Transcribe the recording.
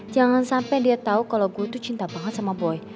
jangan sampe dia tau kalo gue tuh cinta banget sama boy